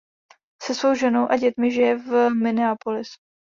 Se svou ženou a dětmi žije v Minneapolis.